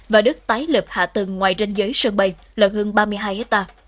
và đất tái lập hạ tầng ngoài ranh giới sân bay là hơn ba mươi hai hectare